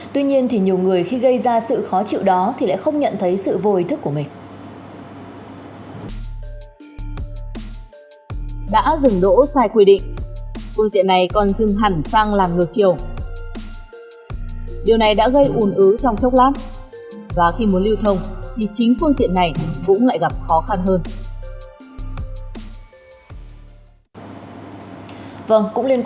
tuy nhiên thì nhiều người khi gây ra sự khó chịu đó thì lại không nhận thấy sự vô ý thức của mình